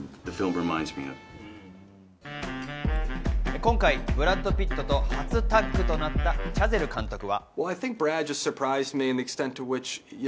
今回ブラッド・ピットと初タッグとなったチャゼル監督は。